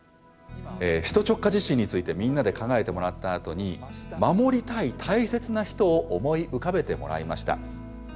首都直下地震についてみんなで考えてもらったあとに守りたい大切な人を思い浮かべてもらいました。